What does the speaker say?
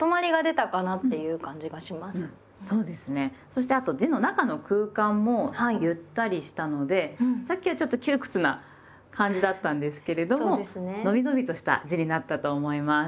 そしてあと字の中の空間もゆったりしたのでさっきはちょっと窮屈な感じだったんですけれどものびのびとした字になったと思います。